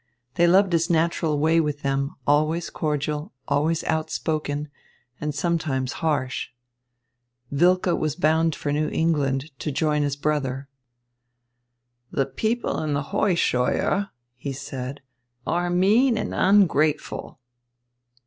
They loved his natural way with them, always cordial, always outspoken, and sometimes harsh. Wilke was bound for New England to join his brother. "The people in the Heuscheuer," he said, "are mean and ungrateful."